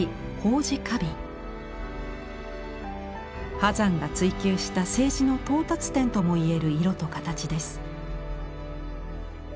波山が追求した青磁の到達点とも言える色と形です。